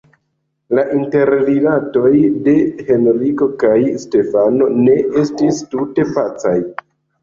La interrilatoj de Henriko kaj Stefano ne estis tute pacaj.